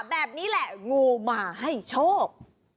แบบนี้แหละงูมาให้โชค